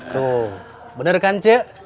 tuh bener kan c